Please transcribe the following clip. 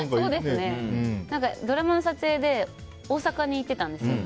ドラマの撮影で大阪に行ってたんですよ。